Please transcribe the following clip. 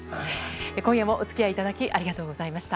今夜もお付き合いいただきありがとうございました。